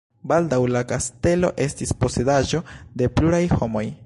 Baldaŭ la kastelo estis posedaĵo de pluraj homoj.